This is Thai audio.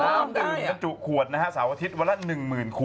น้ำถืมและจุขวดนะฮะสาวอาทิตย์วันละ๑๐๐๐๐ขวด